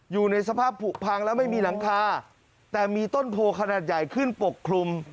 อยู่ในสภาพผูกพังแล้วไม่มีหลังคาแต่มีต้นโพขนาดใหญ่ขึ้นปกคลุม